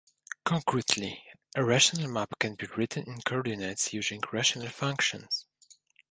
Concretely, a rational map can be written in coordinates using rational functions.